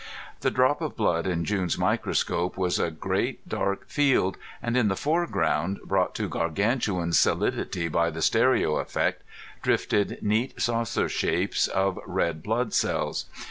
The drop of blood in June's microscope was a great, dark field, and in the foreground, brought to gargantuan solidity by the stereo effect, drifted neat saucer shapes of red blood cells.